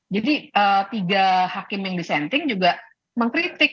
jadi tiga hakim yang disenting juga mengkritik